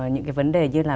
những vấn đề như là